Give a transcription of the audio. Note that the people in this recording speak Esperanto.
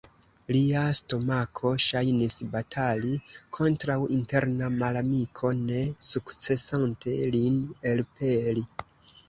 Lia stomako ŝajnis batali kontraŭ interna malamiko, ne sukcesante lin elpeli.